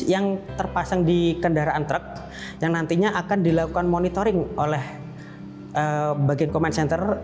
yang terpasang di kendaraan truk yang nantinya akan dilakukan monitoring oleh bagian command center